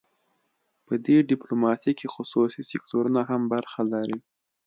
په دې ډیپلوماسي کې خصوصي سکتورونه هم برخه لري